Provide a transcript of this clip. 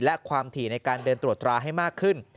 และความถี่ในการเดินตรวจตราให้มากขึ้น